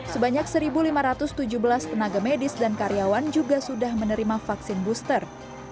sebanyak satu lima ratus tujuh belas tenaga medis dan karyawan juga sudah menerima vaksin booster